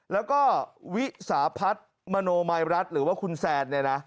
แล้วก็วิสาพัฒน์มโนมัยรัฐหรือว่าคุณแซนเนี่ยนะ